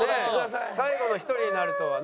最後の１人になるとはね。